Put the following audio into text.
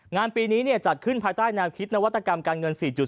งานปีนี้จัดขึ้นภายใต้แนวคิดนวัตกรรมการเงิน๔๐